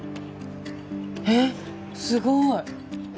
えっすごい！